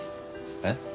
えっ？